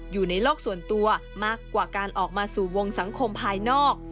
อยู่ในโลกส่วนตัวมากกว่าการออกมาสู่วงสังคมภายนอก